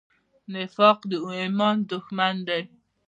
نفاق د ایمان دښمن دی.